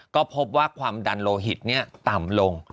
ก็พบว่าความดันโลหิตต่ำลง